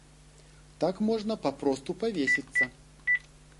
Так можна папросту павесіцца.